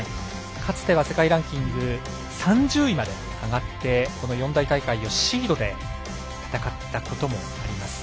かつては世界ランキング３０位まで上がってこの四大大会をシードで戦ったこともあります。